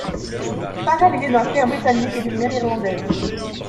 Farrell est né d'un père britannique et d'une mère irlandaise.